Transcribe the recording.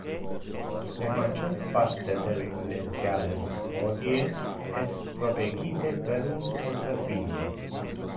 Le major parte del credentiales hodie es protegite per un contrasigno.